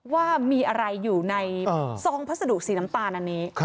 ว่ามีอะไรอยู่ในซองพัสดุสีน้ำตาลอันนี้